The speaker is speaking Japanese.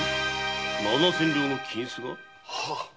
七千両の金子が。